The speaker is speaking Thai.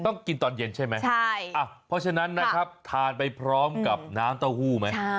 ต้องกินตอนเย็นใช่ไหมใช่เพราะฉะนั้นนะครับทานไปพร้อมกับน้ำเต้าหู้ไหม